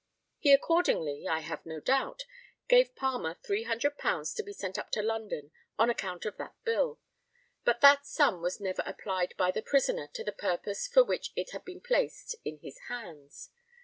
He accordingly, I have no doubt, gave Palmer £300 to be sent up to London on account of that bill; but that sum was never applied by the prisoner to the purpose for which it had been placed in his hands.